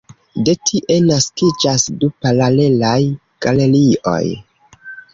De tie naskiĝas du paralelaj galerioj.